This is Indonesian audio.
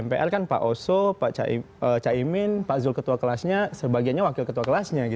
mpr kan pak oso pak caimin pak zul ketua kelasnya sebagiannya wakil ketua kelasnya